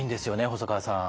細川さん。